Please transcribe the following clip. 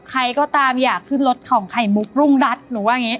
ใครก็ตามอยากขึ้นรถของไข่มุกรุงรัฐหนูว่าอย่างนี้